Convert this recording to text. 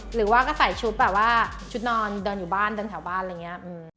หรือว่าก็ใส่ชุดแบบว่าชุดนอนเดินอยู่บ้านเดินแถวบ้านอะไรอย่างนี้